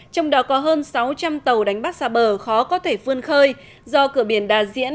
trong đó có hơn sáu trăm linh tàu đánh bắt xa bờ khó có thể vươn khơi do cửa biển đà diễn